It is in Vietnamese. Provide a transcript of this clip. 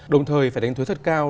đồng thời phải đánh thuế thật cao